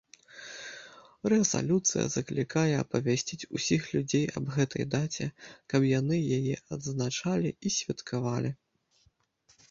Рэзалюцыя заклікае апавясціць усіх людзей аб гэтай даце, каб яны яе адзначалі і святкавалі.